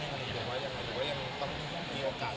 หรือว่าต้องมีโอกาส